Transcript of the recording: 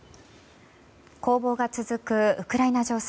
攻防が続くウクライナ情勢。